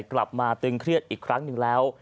กลับมาตึงเครียดอีกครั้งหนึ่งแล้ว